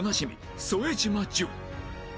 副島淳